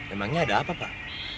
emangnya ada apa pak